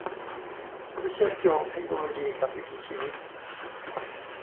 ที่เชื่อมโยงเทคโนโลยีกับวิถีชีวิต